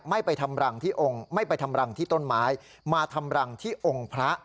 ไม่ไปทำรังที่องค์ไม่ไปทำรังที่ต้นไม้มาทำรังที่องค์พระ